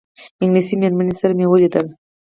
انګلیسي مېرمنې سره مو ولیدل.